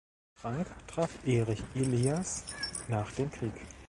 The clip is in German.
Frank traf Erich Elias nach dem Krieg.